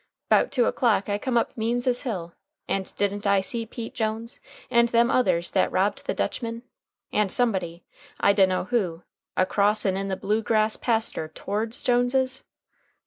'Bout two o'clock I come up Means's hill, and didn't I see Pete Jones, and them others that robbed the Dutchman, and somebody, I dunno who, a crossin' the blue grass paster towards Jones's?"